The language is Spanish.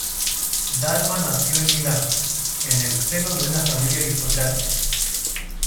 Dalma nació en Milán, en el seno de una familia aristocrática.